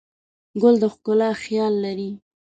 ګل د ښکلا خیال لري.